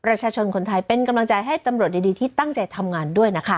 ประชาชนคนไทยเป็นกำลังใจให้ตำรวจดีที่ตั้งใจทำงานด้วยนะคะ